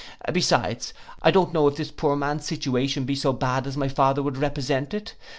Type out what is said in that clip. Besides, I don't know if this poor man's situation be so bad as my father would represent it.